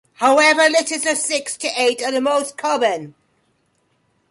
However, litters of six to eight are the most common.